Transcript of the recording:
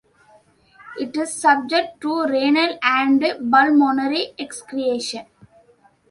It is subject to renal and pulmonary excretion.